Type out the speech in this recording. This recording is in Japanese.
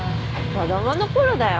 子供のころだよ。